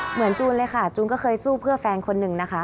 จูนเลยค่ะจูนก็เคยสู้เพื่อแฟนคนหนึ่งนะคะ